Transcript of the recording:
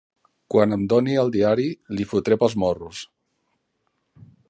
Quan em doni el diari l'hi fotré pels morros.